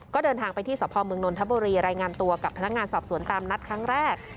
ก็เดินทางไปที่สพมนนทบุรีรายงานตัวกับพนักงานสอบสวนตามนัดครั้งแรก